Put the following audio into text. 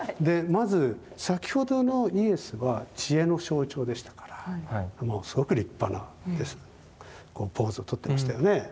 まず先ほどのイエスは知恵の象徴でしたからすごく立派なポーズをとってましたよね。